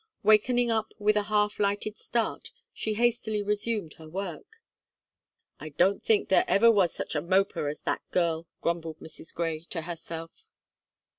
Wakening up with a half lightened start, she hastily resumed her work. "I don't think there ever was such a moper as that girl," grumbled Mrs. Gray to herself.